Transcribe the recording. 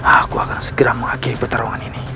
aku akan segera mengakhiri pertarungan ini